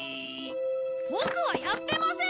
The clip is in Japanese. ボクはやってません！